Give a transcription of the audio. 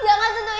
jangan tentu edri